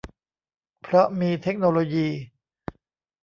เพราะมีเทคโนโลยี